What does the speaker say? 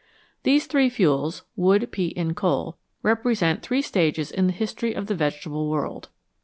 These three fuels, wood, peat, and coal, represent three stages in the history of the vegetable world.